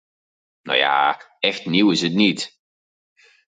Nou ja, echt nieuw is het niet.